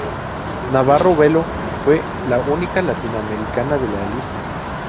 Navarro Bello fue la única latinoamericana de la lista.